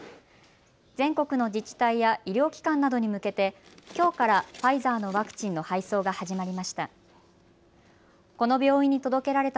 全国の自治体や医療機関などに向けてきょうからファイザーのワクチンの配送が始まりました。